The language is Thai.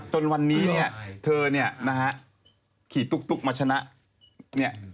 จนวันนี้เธอขี่ตุ๊กมาชนะ